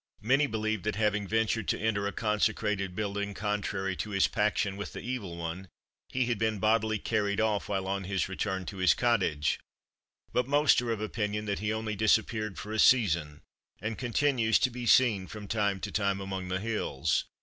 Many believed that, having ventured to enter a consecrated building, contrary to his paction with the Evil One, he had been bodily carried off while on his return to his cottage; but most are of opinion that he only disappeared for a season, and continues to be seen from time to time among the hills.